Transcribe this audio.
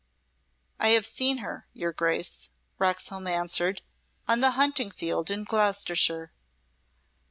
"I have seen her, your Grace," Roxholm answered, "on the hunting field in Gloucestershire."